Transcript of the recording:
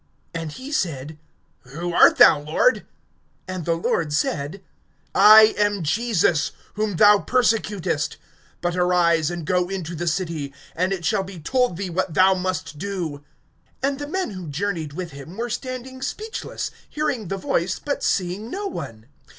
(5)And he said: Who art thou, Lord? And the Lord said: I am Jesus, whom thou persecutest. (6)But arise, and go into the city, and it shall be told thee what thou must do. (7)And the men who journeyed with him were standing speechless, hearing the voice, but seeing no one.